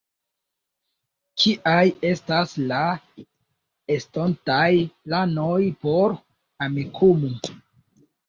Kiaj estas la estontaj planoj por Amikumu?